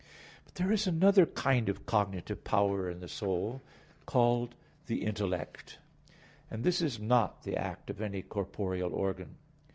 But there is another kind of cognitive power in the soul, called the intellect; and this is not the act of any corporeal organ.